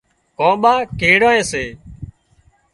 ڪانپاڪڙيئا سي